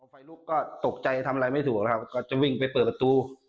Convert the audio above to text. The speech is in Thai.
ไฟลุกก็ตกใจทำอะไรไม่ถูกนะครับก็จะวิ่งไปเปิดประตู